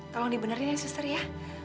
tolong dibenerin yang suster ya